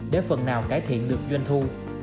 để phần nào cải thiện được doanh thu